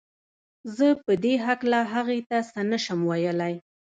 زه په دې هکله هغې ته څه نه شم ويلی